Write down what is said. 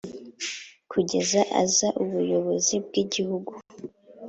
Kugeza aza ubuyobozi bw igihugu